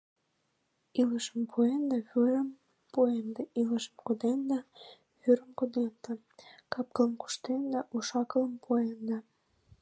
Илышым пуэнда, вӱрым пуэнда, илышым коденда, вӱрым коденда, кап-кылым куштенда, уш-акылым пуэнда.